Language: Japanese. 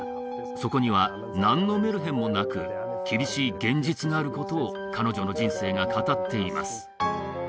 そこには何のメルヘンもなく厳しい現実があることを彼女の人生が語っています